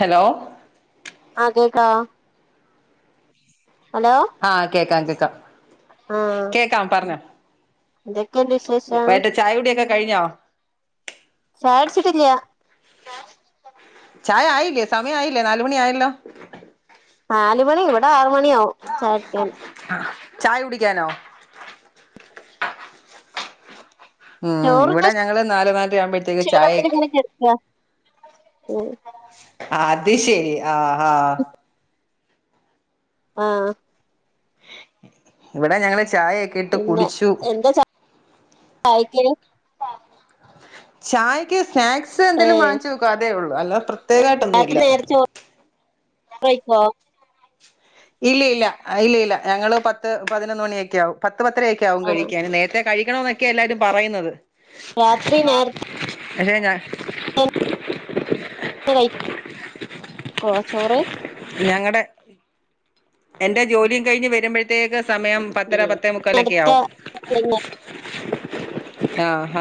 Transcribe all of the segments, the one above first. Hello ആഹ് കേക്കാ hello ആഹ് കേക്കാം കേക്കാം ആഹ് കേക്കാം പറഞ്ഞോ എന്തെക്കെണ്ട് വിശേഷം? ചായകുടിയൊക്കെ കഴിഞ്ഞോ? ചായാടിച്ചിട്ടില്ല ചായ ആയില്ലേ സമയം ആയില്ലേ നാലുമണി ആയല്ലോ നാല് മണി ഇവിടെ ആറ് മണിയവും ചയാകുടിക്കൻ ആഹ് ചായ കുടിക്കാനോ? ഉഹ് ചോറിന്റെ ഇവിടെ ഞങ്ങള് നാല് നാലര ആവുമ്പഴത്തേക്ക് ചായ ക്ഷീണത്തിൽ ഇങ്ങനെ കെടക്കാ ഉം അത് ശരി ആഹ് ആഹ് ആഹ് ഇവിടെ ഞങ്ങള് ചായ പിന്ന എന്താ ച ആയക്ക്‌ ചായ്ക്ക് സ്നാക്സ് എന്തേലും ഏഹ് വാങ്ങിച്ച് വെക്കും അതേ ഉള്ളൂ അല്ല രാത്രി പ്രത്യേകമായിട്ടൊന്നുല്ല നേരത്തെ ചോറ് [unintelligible] ഇല്ല, ഇല്ല, ഇല്ല ഇല്ല ഞങ്ങള് പത്ത് പതിനൊന്ന് മണിയൊക്കെ ആവും പത്ത് പത്തരയൊക്കെ ആവും ആഹ് കഴിക്കാന് നേരത്തെ കഴിക്കണം എന്നൊക്കെ എല്ലാരും പറയുന്നത് രാത്രി നേരത്തെ പക്ഷെ ഞാൻ [unintelligible] കഴി ക്കൊ ചോറ് ഞങ്ങടെ എന്റെ ജോലികഴിഞ്ഞ് വരുമ്പഴുത്തേക്ക് സമയം പത്തര പത്തേമുക്കാലൊക്കെ നേരത്തെ ആകും ആഹ് ഹ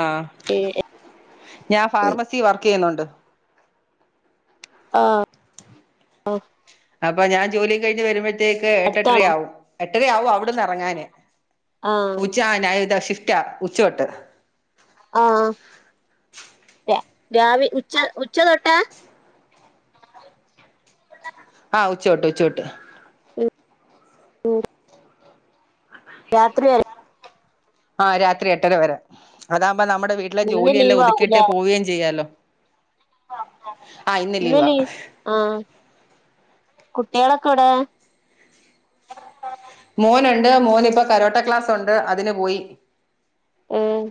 ഏഹ് ഞാൻ ഫാർമസി വർക്ക് ചെയ്യുന്നുണ്ട് ആഹ് അഹ് അപ്പഞാൻ ജോലി കഴിഞ്ഞ് വരുമ്പഴുതേ ത്തേക്ക് അടുത്താണോ എട്ടെട്ടരയാവും എട്ടരയാവും അവിടുന്ന് ഇറങ്ങാനെ ആഹ് ഉച്ച [unintelligible] ഷിഫ്റ്റ്‌ റ്റ ഉച്ചതൊട്ട് ആഹ് ര രാവി ഉച്ച ഉച്ച തൊട്ട ആഹ് ഉച്ചൊട്ട് ഉച്ചോട്ട് രാത്രിവരെ ആഹ് രാത്രി എട്ടര വരെ അതാവമ്പോ നമ്മുടെ വീട്ടി ഇന്ന് ജോലിയെല്ലാം ലീവ് ഒതുക്കിട്ട് ആവൂലേ പോകുവേ ചെയ്യാലോ ആഹ് ഇന്ന് ലീവാ ആഹ് കുട്ടികളൊക്കെ എവിടെ മോനുണ്ട് മോന് ഇപ്പോ കരോട്ട ക്ലാസ് ഉണ്ട് അതിന് പോയി ഏയ്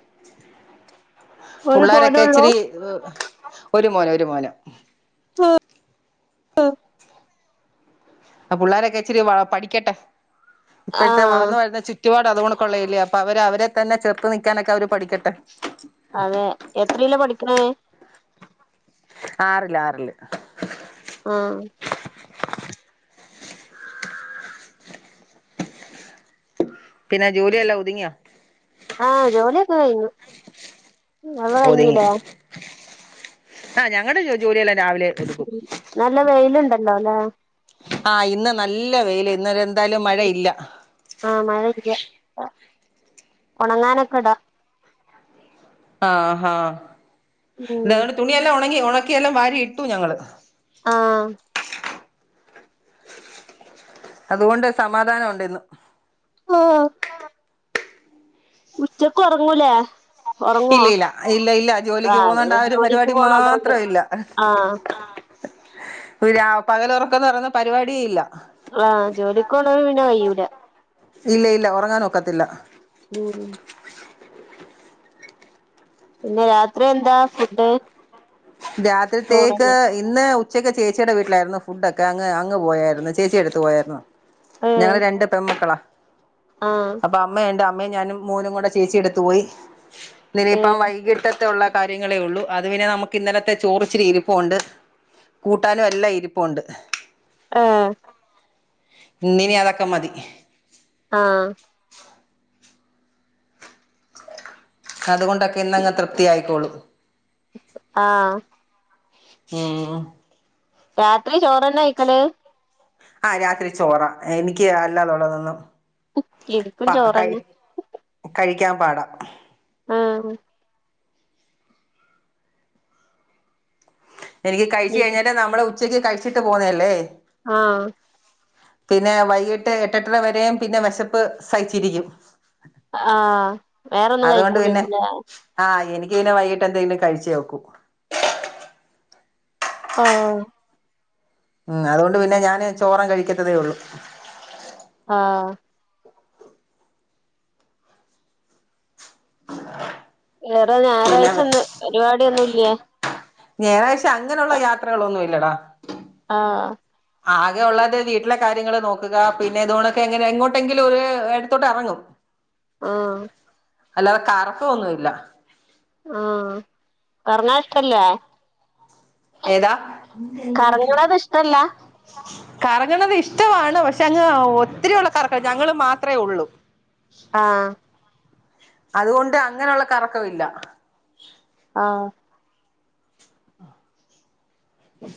പുള്ളേരൊക്കെ മോനൊള്ളൂ ഇച്ചിരി ഒരു മോന് ഒരു മോന് ആ ആ ആഹ് പിള്ളോരൊക്കെ ഇച്ചിരി പഠിക്കട്ടെ ഇപ്പഴത്തെ ആഹ് വളർന്നു വരുന്ന ചുറ്റ് ചുറ്റുപാട് അതുകൊണക്കൊള്ളയല്ലേ അപ്പൊ അവര് അവരെ തന്നെ ചെറുത്തു നിക്കാനൊക്കെ അവര് പഠിക്കട്ടെ അതെ എത്രയില പഠിക്കണേ ആറില് ആറില് ആഹ് പിന്നെ ജോലിയെല്ലാം ഒതുങ്ങിയോ ആഹ് ജോലിയൊക്കെ കഴിഞ്ഞു ഇങ്ങളത് ഒതുങ്ങി കഴിഞ്ഞില്ലേ ആഹ് ഞങ്ങളുടെ ജോലിയെല്ലാം രാവിലെ എടുക്കും നല്ല വെയിലുണ്ടല്ലോ അല്ലേ ആഹ് ഇന്ന് നല്ല വെയില് ഇന്ന് എന്തായാലും മഴയില്ല ആഹ് മഴയില്ല ഉണങ്ങാനൊക്കെ ഇടാ ആഹ് ആ ഇന്ന് ഉം അതൊണ്ട് തുണിയെല്ലാം ഉണങ്ങി ഉണക്കിയെല്ലാം വാരി ഇട്ടു ഞങ്ങള് ആഹ് അതുകൊണ്ട് സമാധാനം ഉണ്ട് ഇന്ന് ഓ ഉച്ചക്ക് ഉറങ്ങൂലേ ഉറങ്ങോ ഇല്ല ഇല്ല ഇല്ല ഇല്ല ജോലിക്ക് ആഹ് പോന്നോണ്ട് ഇങ്ങള് ആ ഒരു ജോലിക്ക് പരിപാടി പോണതോണ്ട് മാത്രം ഇല്ല ആഹ് പകല് ഉറക്കംന്ന് പറയുന്ന പരിപാടിയെ ഇല്ല ആഹ് ജോലിക്ക്‌ പോന്നോണ്ട് പിന്നെ കഴിയൂല ഇല്ല ഇല്ല ഉറങ്ങാനൊക്കത്തില്ല ഉമ് പിന്നെ രാത്രി എന്താ ഫുഡ് രാത്രിത്തേക്ക് ചോറന്നെ ഇന്ന് ഉച്ചയ്ക്ക് ചേച്ചിയുടെ വീട്ടിലായിരുന്നു ഫുഡ് ഒക്കെ അങ്ങ് അങ്ങ് പോയായിരുന്നു ചേച്ചിഏടുത്തു പോയായിരുന്നു ഏഹ് ഞങ്ങള് രണ്ട് പെൺമക്കളാ ആഹ് അപ്പം അമ്മ ഉണ്ട് അമ്മയും ഞാനും മോനും കൂടെ ചേച്ചിഏടുത്തു പോയി ഇനിയിപ്പം ഏഹ് വൈകിട്ടത്തെ ഉള്ള കാര്യങ്ങളേ ഉള്ളു അത് പിന്നെ നമുക്ക് ഇന്നലത്തെ ചോറിച്ചിരി ഇരിപ്പുണ്ട് കൂട്ടാനും എല്ലാം ഇരിപ്പുണ്ട് ആഹ് ഇന്നിനി അതൊക്കെ മതി ആഹ് അതുകൊണ്ടൊക്കെ ഇന്നങ്ങ് തൃപ്തി ആയിക്കോളും ആഹ് [unintelligible] രാത്രി ചോറ്ന്നെ കഴിക്കല് ആ രാത്രി ചോറ എനിക്ക് അല്ലാതെ ഉള്ളതൊന്നും എനിക്കും പ കഴി ചോറന്നെ കഴിക്കാൻ പാടാ ആഹ് എനിക്ക് കഴിച്ച് കഴിഞ്ഞട്ടേ നമ്മളെ ഉച്ചക്ക് കഴിച്ചിട്ട് പോന്നല്ലേ ആഹ പിന്നെ വൈകിട്ട് എട്ട് എട്ടരവരെയും പിന്നെ വിശപ്പ് സഹിച്ചിരിക്കും ആഹ് വേറൊന്നും അതുകൊണ്ട് പിന്നെ കഴിക്കൂലയിക്കൂല ആഹ് എനിക്കിങ്ങനെ വൈകിട്ട് എന്തെങ്കിലും കഴിച്ചേ ഒക്കു ആഹ് ഉം അതുകൊണ്ട് പിന്നെ ഞാന് ചോറങ്ങ് കഴിക്കത്തതേ ഉള്ളൂ ആഹ് [inaudible] വേറെ ഞായറാഴ്ച ന്ന് പരിപാടൊന്നും ഇല്ല്യേ ഞ്ഞെറാഴ്ച അങ്ങനുള്ള യാത്രകളൊന്നും ഇല്ലടാ ആഹ് ആകെ ഉള്ളത് വീട്ടിലെ കാര്യങ്ങള് നോക്കുക പിന്നെ ഇതുകൊണൊക്കെ എങ്ങനെ എങ്ങോട്ടെങ്കിലും ഒരു എടുത്തോട്ട് എറങ്ങും [unintelligible] ആഹ് അല്ലാതെ കറക്ക ഒന്നുല്ല ആഹ കർങ്ങാഷ്ടല്ലേ ഏതാ [inaudible] കറങ്ങണത് ഇഷ്ടല്ല കറങ്ങണത് ഇഷ്ടമാണ് പക്ഷെ അങ്ങ് ഒത്തിരിയള്ള കറക്കം ഞങ്ങള് മാത്രമേ ഉള്ളൂ [unintelligible] ആഹ് അതുകൊണ്ട് അങ്ങനുള്ള കറക്കവില്ല ആഹ്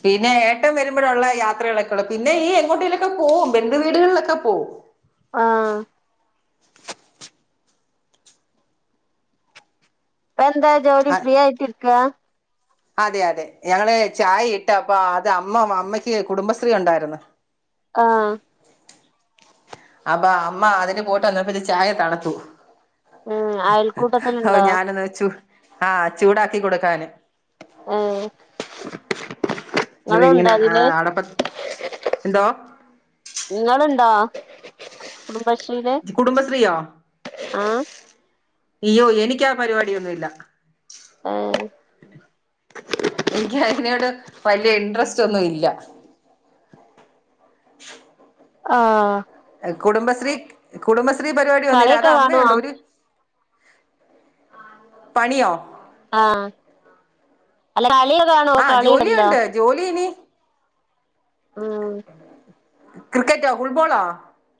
പിന്നെ ഏട്ടം വരുമ്പോഴുള്ള യാത്രകളൊക്കെ ഉള്ളൂ പിന്നെ ഈ എങ്ങോട്ടെയിലൊക്കെ പോവും ബന്ധുവീടുകളിലൊക്കെ പോവും ആഹ് പ്പൊന്താ ജോലി അ ഫ്രീ ആയിട്ടിര്ക്ക അതെ അതെ ഞങ്ങള് ചായ ഇട്ട പ്പ അത് അമ്മ അമ്മയ്ക്ക് കുടുംബശ്രീ ഉണ്ടായിരുന്നു ആഹ് അപ്പൊ അമ്മ അതിന് പോട്ട വന്നപ്പത്തൻ ചായ തണുത്തുപോകും ഉം [unintelligible] അയൽക്കൂട്ടത്തിലുണ്ടോ ഞാനന്ന് വെച്ചു ആഹ് ചൂടാക്കി കൊടുക്കാന് ഏഹ് നി ഇങ്ങളുണ്ടോ ഇങ്ങനെ അതില് അടപ്പ ന്തോ ഇങ്ങളുണ്ടോ കുടുംബശ്രീല് കുടുംബശ്രീയൊ ആഹ് ഇയ്യോ എനക്കാ പരിപാടിയൊന്നുല്ല ഏഹ് എനിക്ക് അതിനോട് വലിയ ഇൻട്രസ്റ്റ് ഒന്നും ഇല്ല [inaudible] ആഹ കുടുംബശ്രീ കുടുംബശ്രീ പരിപാടി ഒന്നില്ല അത് കളിയൊക്കെ കാണുവോ അമ്മയുണ്ടോ രി പണിയോ ആഹ് അല്ല [unintelligible] കാണും ആഹ് ജോലിയുണ്ട് ജോലിയിനി ഉം ക്രിക്കെറ്റൊ ഫുട്ബോളോ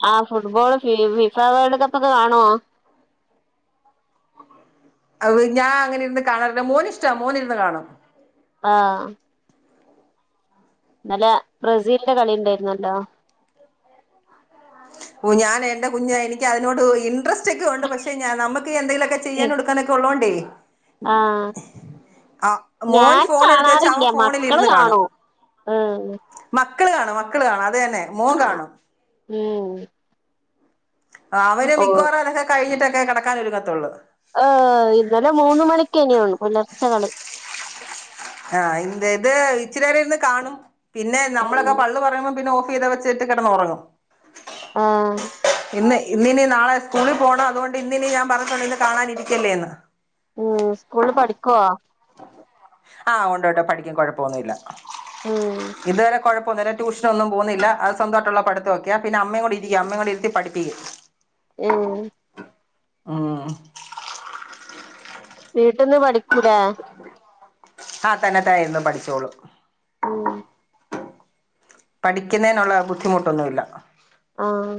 ആഹ് ഫുട്ബോൾ ഫി ഫിഫ വേൾഡ് കപ്പൊക്കെ കാണുവോ അവ് ഞാൻ അങ്ങനെ ഇര്ന്ന് കാണാറില്ല മോന് ഇഷ്ടാ മോൻ ഇരുന്ന് കാണും ആഹ് ഇന്നലെ ബ്രസീൽന്റെ കളി ണ്ടായിര്ന്നല്ലോ ഓ ഞാൻ എന്റെ കുഞ്ഞെ എനിക്ക് അതിനോട് ഇൻട്രസ് റ്റൊക്കെ ഉണ്ട് പക്ഷെ ഞാ നമുക്ക് എന്തെങ്കിലുമൊക്കെ ചെയ്യാനും എടുക്കാനൊക്കെ ഉള്ളോണ്ടേ ആഹ് ആ മോൻ ഞാൻ ഫോൺ എടുത്ത് വെച്ച അവൻ കാണാറില്യ മക്കള് ഫോണിലിരുന്ന് കാണും കാണു ഉം മക്കള് കാണും മക്കള് കാണും അത് തന്നെ മോൻ കാണും ഉം അവര് ഓ മിക്കവാറും അതൊക്കെ കഴിഞ്ഞിട്ടൊക്കെ കെടക്കാനൊരുങ്ങത്തുള്ളു ഏഹ് ഇന്നലെ മൂന്നു മണിക്കന്നെയാണു പുലർച്ചെ കളി ആഹ് ഇൻ്റെത് ഇച്ചിരേരിന്ന് കാണും പിന്നെ നമ്മളൊക്കെ പ ള്ളു പറയുമ്പ പിന്നെ ഓഫ് ചെയ്ത് വെച്ചിട്ട് കിടന്ന് ഉറങ്ങും ആഹ് ഇന്ന് ഇന്നിനി നാളെ സ്കൂളി പോണം അതുകൊണ്ട് ഇന്നിനി ഞാൻ പറഞ്ഞിട്ടൊണ്ട് ഇന്നിനി കാണാൻ ഇരിക്കല്ലേന്ന് ഉം സ്കൂളില് പഠിക്കുവൊ ആഹ് ഒണ്ടൊണ്ട് പഠിക്കും കൊഴപ്പൊന്നൂല്ല ഉം ഇതുവരെ കൊഴപ്പൊന്നൂല്ല ട്യൂഷനൊന്നും പോന്നില്ല അത് സ്വന്തമായിട്ടുള്ള പഠിത്തവൊക്കെയാ പിന്ന അമ്മയും കൂടെ ഇരിക്കും അമ്മയും കൂടെ ഇരുത്തി പഠിപ്പിക്കും ഉം ഉം വീട്ടിന്ന് പഠിക്കൂലേ ആഹ് തന്നെത്തായിരുന്നു പഠിച്ചോളും ഉം പഠിക്കുന്നേനുള്ള ബുദ്ധിമുട്ടൊന്നുല്ല ആഹ്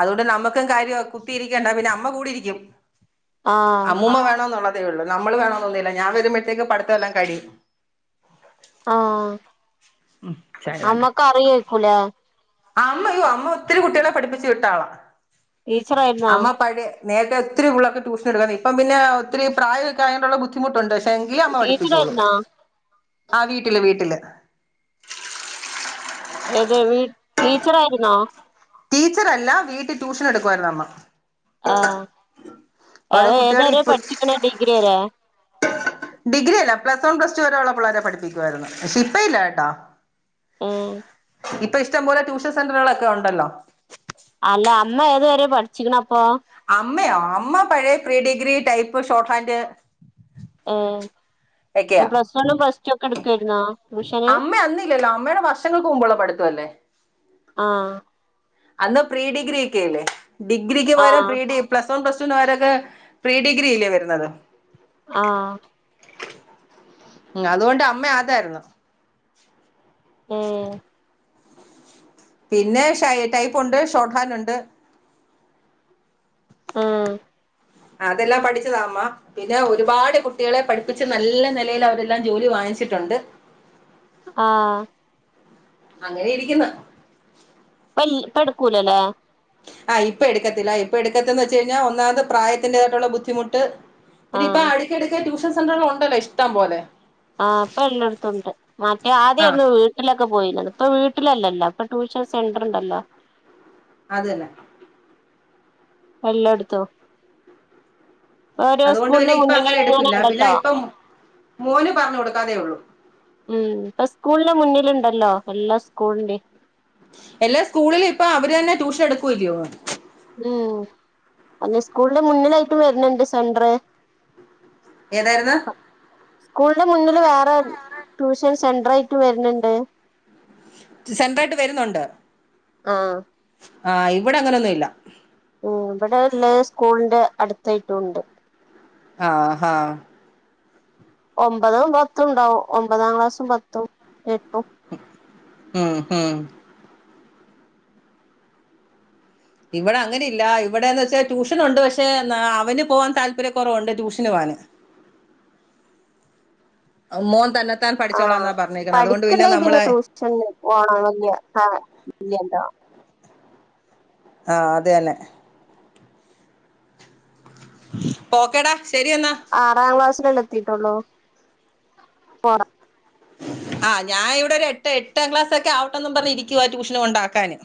അതുകൊണ്ട് നമ്മുക്കും കാര്യവാ കുത്തിയിരിക്കണ്ട പിന്നെ അമ്മ കൂടിരിക്കും ആഹ് അമ്മൂമ്മ വേണോന്നുള്ളതേ ഉള്ള് നമ്മള് വേണോന്നൊന്നൂല്ല ഞാൻ വരുമ്പോഴത്തേക്ക് പഠിത്തെല്ലാം കഴിയും ആഹ് ഉം അമ്മക്കറിയായ്ക്കൂലെ അമ്മ യ്യോ അമ്മ ഒത്തിരി കുട്ടികളെ പഠിപ്പിച്ചു വിട്ടാളാ ടീച്ചറായിരുന്നോ അമ്മ പഴേ നേരത്തെ ഒത്തിരി പുള്ളാർക്ക് ട്യൂഷനെടുത്തതാണ് ഇപ്പം പിന്നെ ഒത്തിരി പ്രായോക്കെ ആയോണ്ടുള്ള ബുദ്ധിമുട്ടൊണ്ട് എങ്കിലും അമ്മ പഠിപ്പിച്ചോളും ടീച്ചറായിരുന്നോ ആ വീട്ടില് വീട്ടില് ഏത് വീ ടീച്ചർ ആയിരുന്നോ ടീച്ചറല്ല വീട്ടി ട്യൂഷൻ എടുക്കുവാരുന്നമ്മ ആഹ് അവ ഓരോ കുട്ടികളെ ഏതുവരെ ഇപ്പ പഠിച്ചിക്കണ് ഡിഗ്രി വരെ ഡിഗ്രി അല്ല പ്ലസ് വൺ പ്ലസ് ടു വരെ ഉള്ള പിള്ളാരെ പഠിപ്പിക്കുവാരുന്നു പക്ഷെ ഇപ്പ ഇല്ല കേട്ടോ ഉം ഇപ്പം ഇഷ്ടം പോലെ ടൂഷൻ സെൻ്ററുകളൊക്കെ ഉണ്ടല്ലോ അല്ല അമ്മ ഏതുവരെ പഠിച്ചിക്കിണപ്പൊ അമ്മയോ അമ്മ പഴയ pre degree type shorthand ഉം എക്കെയ എടുക്കായിരുന്നോ ട്യൂഷന് അമ്മ അന്നില്ലല്ലോ അമ്മയുടെ വർ ഷങ്ങൾക്ക് മുമ്പോള്ള പഠിത്തം അല്ലേ ആഹ് അന്ന് പ്രീ ഡിഗ്രി ഒക്കെ അല്ലേ ഡിഗ്രിക്ക് പകരം ആഹ് പ്രീ ഡി പ്ലസ് വൺ പ്ലസ് ടുന് പകരൊക്കെ പ്രീ ഡിഗ്രി ഇല്ലേ വരുന്നത് ആഹ് ഉം അതുകൊണ്ട് അമ്മ അതായിരുന്നു ഉം പിന്നെ ഷൈ ടൈപ്പുണ്ട് ഷോർട്ട് ഹാൻഡ് ഉണ്ട് ഉം അതെല്ലാം പഠിച്ചതാ അമ്മ പിന്നെ ഒരുപാട് കുട്ടികളെ പഠിപ്പിച്ച് നല്ല നിലയിൽ അവരെല്ലാം ജോലി വാങ്ങിച്ചിട്ടുണ്ട് ആഹ് അങ്ങനെ ഇരിക്കുന്ന് പ്പൊ ഇട്ക്കൂലല്ല ആഹ് ഇപ്പോ എക്കത്തില്ല ഇപ്പൊ എടുക്കത്തന്ന് വെച്ച് കഴിഞ്ഞാൽ ഒന്നാമത് പ്രായത്തിന്റതായിട്ടുള്ള ബുദ്ധിമുട്ട് പിന്നെ ഇപ്പൊ ആഹ് അടുക്കടക്ക് ട്യൂഷൻ സെന്ററുകൾ ഉണ്ടല്ലോ ഇഷ്ടം പോലെ ആ അപ്പൊ എല്ലടത്തുംണ്ട് മറ്റേ ആ ആദ്യരുന്നു വീ വീട്ടിലൊക്കെ പോയിരുന്നത് ഇപ്പ വീട്ടിലല്ലോ ഇപ്പ ട്യൂഷൻ സെന്റർ ഉണ്ടല്ലോ അതന്നെ എല്ലാടത്തും അതുകൊണ്ട് സ്കൂളിന് പിന്നെ ഇപ്പ മുന്നില് അങ്ങനെ ഇങ്ങനെ എടുക്കില്ല പിന്നെ ഉണ്ടല്ലോ ഇപ്പൊ മോന് പറഞ്ഞു കൊടുക്കാതെ ഉള്ളൂ ഉം ഇപ്പ സ്കൂളിന് മുന്നിലുണ്ടല്ലോ എല്ലാ സ്കൂളിന്റെയും എല്ലാ സ്കൂളിലും ഇപ്പൊ അവര് തന്നെ ട്യൂഷൻ എടുക്കുവല്ലയോ ഉം അതെ സ്കൂളിന്റെ മുന്നിലായിട്ടും വരുന്നുണ്ട് സെൻ്ററ് ഏതായിരുന്ന് സ്കൂളിന്റെ മുന്നില് വേറെ ട്യൂഷൻ സെന്ററായിട്ട് വരുന്നുണ്ട് സെൻറായിട്ട് വരുന്നുണ്ട് ആഹ് ആഹ് ഇവിടെ അങ്ങനൊന്നും ഇല്ല ഓ ഇവിടെ ഉള്ള സ്കൂളിന്റെ അടുത്തായിട്ട് ഉണ്ട് ആഹ് ആഹ് ഒമ്പതും പത്തും ഉണ്ടാവും ഒമ്പതാം ക്ലാസും പത്തും എട്ടും ഉം ഹം ഇവിടെ അങ്ങനെ ഇല്ല ഇവിടെന്ന് വെച്ചാൽ ട്യൂഷനുണ്ട് പക്ഷെ അവന് പോവാൻ താല്പര്യം കുറവുണ്ട് ട്യൂഷന് പോകാന് മോൻ തന്ന ത്താൻ പഠിച്ചോളാ എന്നാ പറഞ്ഞേക്കുന്നത് അതുകൊണ്ട് പിന്നെ നമ്മള് ചെന്ന പോഓണം വല്യ കാണാൻ ഇല്ലല്ലോ ആഹ് അത് തന്നെ ഓക്കേടാ ശരിയെന്നാ ആറാം ക്ലാസ്സിലല്ലേ എത്തിട്ടുള്ളോ പോ ആഹ് ഞാൻ ഇവിടെ ഒരു എട്ട് എട്ടാം ക്ലാസ്സ ഒക്കെ ആവട്ടന്നും പറഞ്ഞ് ഇരിക്കുവാ ട്യൂഷന് കൊണ്ടാക്കാന്